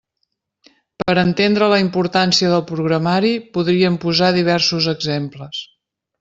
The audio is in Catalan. Per entendre la importància del programari podríem posar diversos exemples.